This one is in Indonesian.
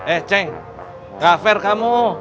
eh ceng nggak fair kamu